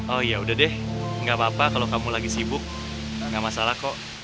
oh ya udah deh nggak apa apa kalau kamu lagi sibuk gak masalah kok